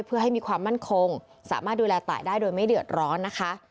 เพื่อให้มีความมั่นคงสามารถดูแลตายได้โดยไม่เดือดร้อนนะคะ